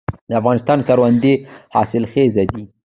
د افغانستان کروندې حاصلخیزه دي